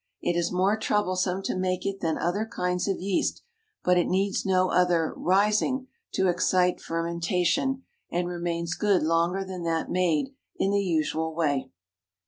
It is more troublesome to make it than other kinds of yeast, but it needs no other "rising" to excite fermentation, and remains good longer than that made in the usual way.